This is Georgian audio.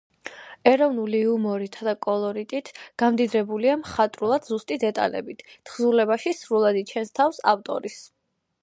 ეროვნული იუმორითა და კოლორიტით, გამდიდრებულია მხატვრულად ზუსტი დეტალებით. თხზულებაში სრულად იჩენს თავს ავტორის